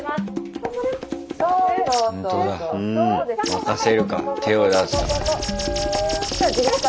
任せるか手を出すか。